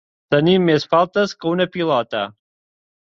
Tenir més faltes que una pilota.